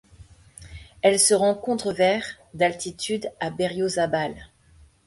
Elle se rencontre vers d'altitude à Berriozábal.